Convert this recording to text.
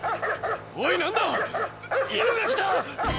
おい何だ⁉犬が来た！